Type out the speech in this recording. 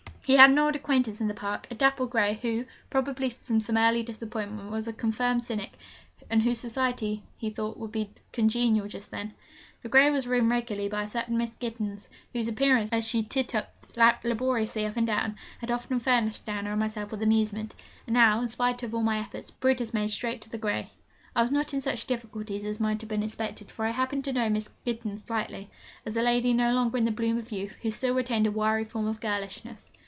He had an old acquaintance in the Park, a dapple grey, who, probably from some early disappointment was a confirmed cynic, and whose society he thought would be congenial just then. The grey was ridden regularly by a certain Miss Gittens, whose appearance as she titupped laboriously up and down had often furnished Diana and myself with amusement. And now, in spite of all my efforts, Brutus made straight to the grey. I was not in such difficulties as might have been expected, for I happened to know Miss Gittens slightly, as a lady no longer in the bloom of youth, who still retained a wiry form of girlishness.